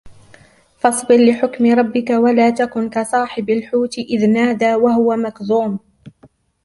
فَاصْبِرْ لِحُكْمِ رَبِّكَ وَلا تَكُن كَصَاحِبِ الْحُوتِ إِذْ نَادَى وَهُوَ مَكْظُومٌ